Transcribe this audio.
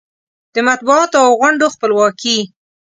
د مطبوعاتو او غونډو خپلواکي